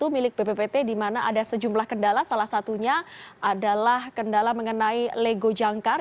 milik bppt di mana ada sejumlah kendala salah satunya adalah kendala mengenai lego jangkar